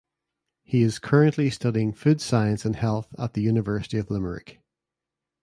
He is currently studying food science and health at the University of Limerick.